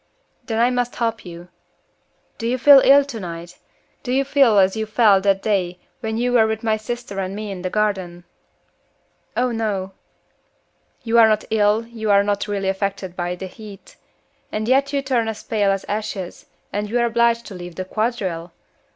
"Then I must help you. Do you feel ill tonight? Do you feel as you felt that day when you were with my sister and me in the garden?" "Oh no." "You are not ill, you are not really affected by the heat and yet you turn as pale as ashes, and you are obliged to leave the quadrille!